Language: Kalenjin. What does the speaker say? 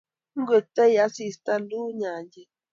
Ingwengtoi asista, luu nyanjet